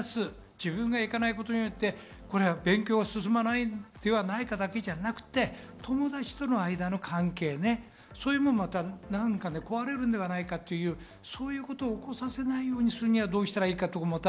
自分が行かないことによって勉強が進まないということだけじゃなくて友達との関係が壊れるんじゃないかというそういったことを起こさせないようにするには、どうしたらいいかという。